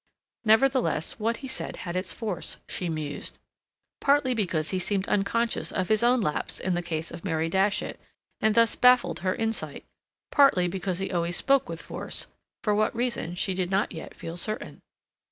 Nevertheless, what he said had its force, she mused; partly because he seemed unconscious of his own lapse in the case of Mary Datchet, and thus baffled her insight; partly because he always spoke with force, for what reason she did not yet feel certain.